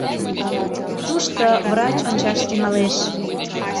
Тушто врач ончаш тӱҥалеш.